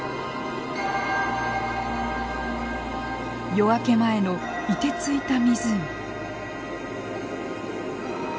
夜明け前のいてついた湖。